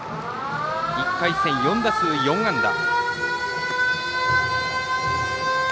１回戦、４打数４安打。